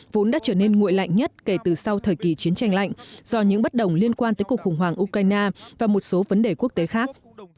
vốn đã trở nên nguội lạnh nhất kể từ sau thời kỳ chiến tranh lạnh do những bất đồng liên quan tới cuộc khủng hoảng ukraine và một số vấn đề quốc tế khác